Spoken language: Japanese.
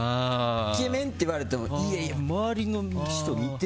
イケメンって言われてもいえいえ、周りの人見て！